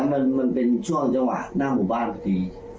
ตรงนั้นมันเป็นช่วงจังหวะหน้าหมู่บ้านปกติ